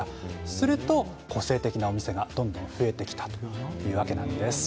すると個性的なお店がどんどん増えてきたというわけなんです。